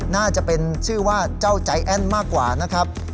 น่าจะเป็นชื่อว่าเจ้าใจแอ้นมากกว่านะครับ